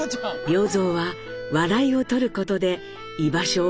良三は笑いを取ることで居場所を築いていったのです。